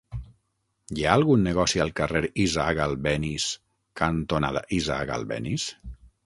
Hi ha algun negoci al carrer Isaac Albéniz cantonada Isaac Albéniz?